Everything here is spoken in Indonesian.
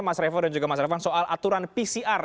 mas revo dan juga mas revan soal aturan pcr